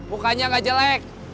mukanya gak jelek